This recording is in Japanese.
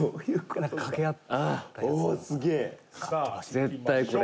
絶対これ。